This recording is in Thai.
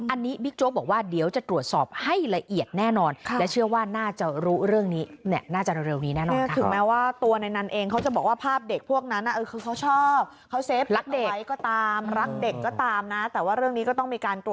อันนี้บิ๊กโจ๊กบอกว่าเดี๋ยวจะตรวจสอบให้ละเอียดแน่นอน